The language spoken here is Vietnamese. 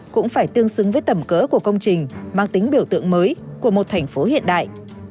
cũng phải tương xứng với tầm cỡ của công trình mang tính biểu tượng mới của một thành phố hiện đại